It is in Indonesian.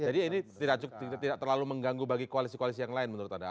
jadi ini tidak terlalu mengganggu bagi koalisi koalisi yang lain menurut anda